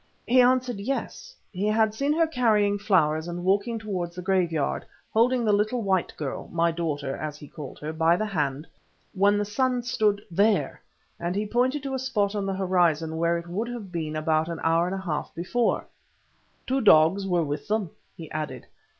He answered "yes." He had seen her carrying flowers and walking towards the graveyard, holding the little white girl—my daughter—as he called her, by the hand, when the sun stood "there," and he pointed to a spot on the horizon where it would have been about an hour and a half before. "The two dogs were with them," he added.